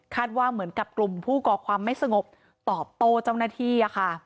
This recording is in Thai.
ว่าเหมือนกับกลุ่มผู้ก่อความไม่สงบตอบโต้เจ้าหน้าที่